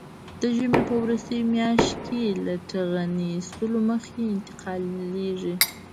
د ژمي په وروستۍ میاشت کې له ټېغنې ایستلو مخکې انتقالېږي.